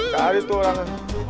cari tuh orangnya